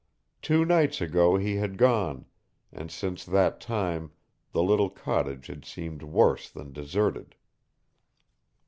Two nights ago he had gone, and since that time the little cottage had seemed worse than deserted.